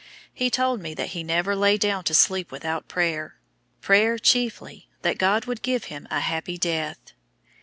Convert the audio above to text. He told me that he never lay down to sleep without prayer prayer chiefly that God would give him a happy death.